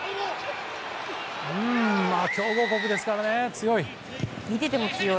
強豪国ですからね強い。